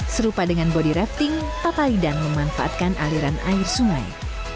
serupa dengan body rafting papalidan memanfaatkan aliran air sungai